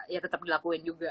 ya tetap dilakuin juga